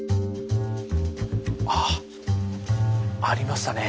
あっありましたね。